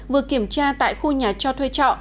vừa kiểm tra tại khu nhà cho thuê trọ